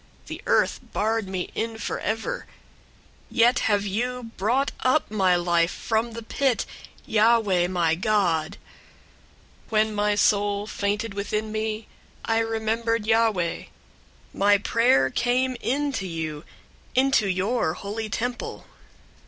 The earth barred me in forever: yet have you brought up my life from the pit, Yahweh my God. 002:007 "When my soul fainted within me, I remembered Yahweh. My prayer came in to you, into your holy temple.